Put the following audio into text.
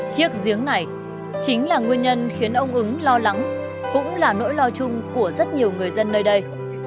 chiếc giếng này chính là nguyên nhân khiến ông ứng lo lắng cũng là nỗi lo chung của rất nhiều người dân nơi đây